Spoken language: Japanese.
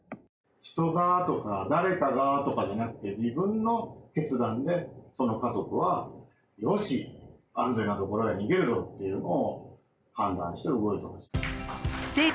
人がとか誰かがとかじゃなくて、自分の決断でその家族はよし、安全なところへ逃げるぞというのを判断して動いてほしい。